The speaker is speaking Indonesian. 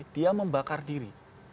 dia membakar diri